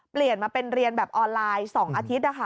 เปลี่ยนมาเป็นเรียนแบบออนไลน์๒อาทิตย์นะคะ